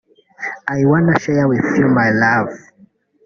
I wanna share with you my love